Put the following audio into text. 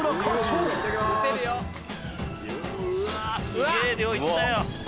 すげぇ量いったよ。